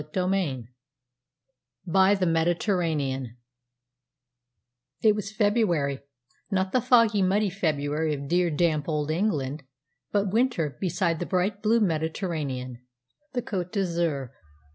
CHAPTER XXII BY THE MEDITERRANEAN It was February not the foggy, muddy February of dear, damp Old England, but winter beside the bright blue Mediterranean, the winter of the Côte d'Azur.